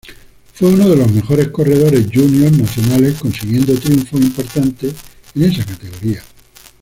Fue uno de los mejores corredores juniors nacionales consiguiendo triunfos importantes en esa categoría.